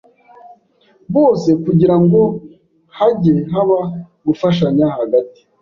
bose kugirango hajye haba gufashanya hagati